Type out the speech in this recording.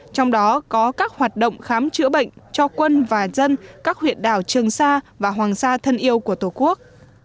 trong đó có các hoạt động khám chữa bệnh cho quân và dân các huyện đảo trường sa và hoàng sa thân yêu của tổ quốc